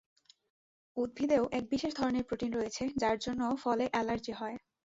উদ্ভিদেও এক বিশেষ ধরনের প্রোটিন রয়েছে যারজন্য ফলে অ্যালার্জি হয়।